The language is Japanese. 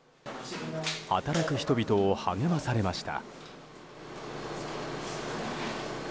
働く人々を励まされました。